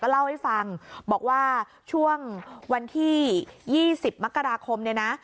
เล่าให้ฟังบอกว่าช่วงวันที่๒๐มกราคมเนี่ยนะ